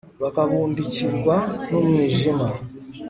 bakabundikirwa n'umwijima